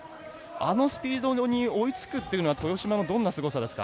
あのスピードに追いつくというのは豊島のどんなすごさですか？